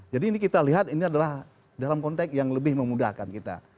jadi ini kita lihat ini adalah dalam konteks yang lebih memudahkan kita